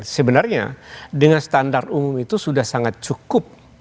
sebenarnya dengan standar umum itu sudah sangat cukup